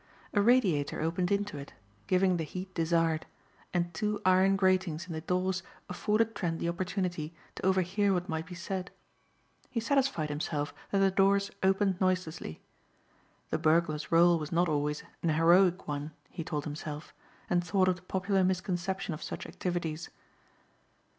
A radiator opened into it, giving the heat desired, and two iron gratings in the doors afforded Trent the opportunity to overhear what might be said. He satisfied himself that the doors opened noiselessly. The burglar's rôle was not always an heroic one, he told himself, and thought of the popular misconception of such activities.